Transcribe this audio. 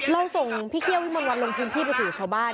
เราส่งพี่เคี่ยวิมวันวันลงพื้นที่ไปถึงชาวบ้าน